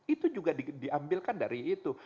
itu juga diambilkan dari itu